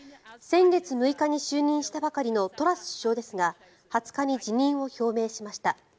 先月６日に就任したばかりのトラス首相ですが２０日に辞任を表明しました。